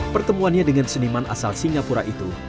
pertemuannya dengan seniman asal singapura itu